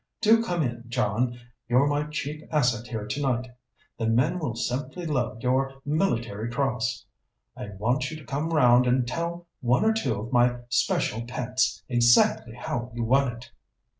Do come in, John you're my chief asset here tonight; the men will simply love your Military Cross. I want you to come round and tell one or two of my special pets exactly how you won it."